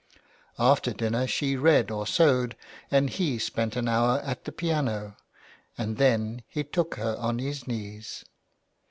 After dinner she read or sewed and he spent an hour at the piano, and then he took her on his knees.